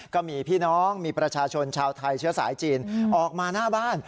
ก็มีพี่น้องมีประชาชนชาวไทยเชื้อสายจีนออกมาหน้าบ้าน